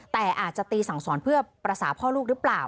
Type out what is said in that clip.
แต่อาจจะตีสั่งสอนเพื่อภาษาพ่อลูกหรือเปล่า